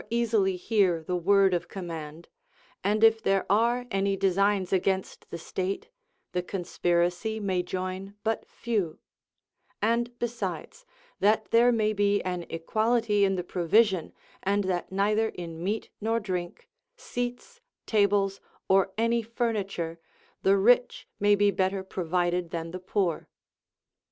42 i easily hear the word of command ; and if there are any designs against the state, the conspiracy may join but few ; and besides, that there may be an equahty in the provision, and that neither in meat nor drink, seats, tables, or any furniture, the rich may be better provided than the poor.